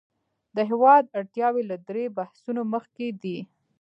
د هېواد اړتیاوې له دې بحثونو مخکې دي.